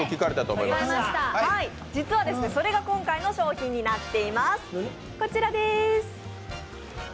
実はそれが今回の賞品になっています。